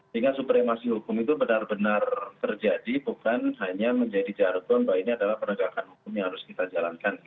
sehingga supremasi hukum itu benar benar terjadi bukan hanya menjadi jargon bahwa ini adalah penegakan hukum yang harus kita jalankan